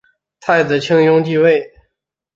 太子庆膺继位。